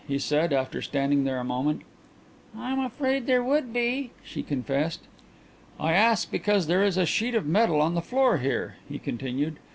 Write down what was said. he said, after standing there a moment. "I am afraid there would be," she confessed. "I ask because there is a sheet of metal on the floor here," he continued.